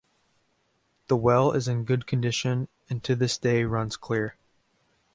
The well is in good condition and to this day runs clear.